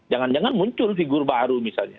jangan jangan muncul figur baru misalnya